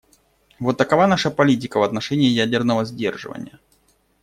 Вот такова наша политика в отношении ядерного сдерживания.